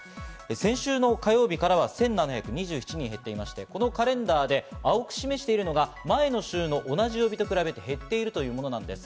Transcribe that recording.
先週の火曜日からは１７２７人減っていまして、このカレンダーで青く示しているのが前の週の同じ曜日と比べて減っているというものです。